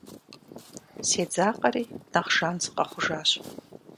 Седзакъэри, нэхъ жан сыкъэхъужащ.